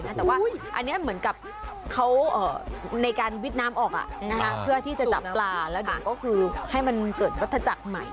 แต่ว่าอันนี้เหมือนกับเขาในการวิทย์น้ำออกเพื่อที่จะจับปลาแล้วเดี๋ยวก็คือให้มันเกิดวัฒจักรใหม่